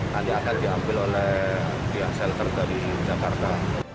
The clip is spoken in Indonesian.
nanti akan diambil oleh pihak shelter dari jakarta